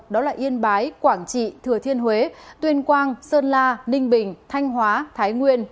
đó là yên bái quảng trị thừa thiên huế tuyên quang sơn la ninh bình thanh hóa thái nguyên